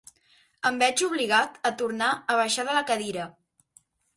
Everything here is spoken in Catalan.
Em veig obligat a tornar a baixar de la cadira.